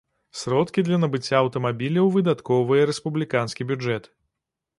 Сродкі для набыцця аўтамабіляў выдаткоўвае рэспубліканскі бюджэт.